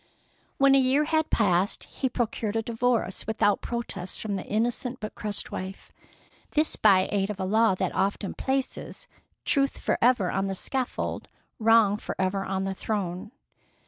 When a year had passed he procured a divorce without protest from the innocent but crushed wife, this by aid of a law that often places "Truth forever on the scaffold, Wrong forever on the throne."